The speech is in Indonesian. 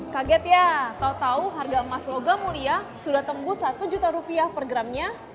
kaget ya tau tau harga emas logam mulia sudah tembus satu juta rupiah per gramnya